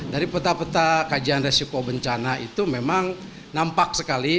dari peta peta kajian resiko bencana itu memang nampak sekali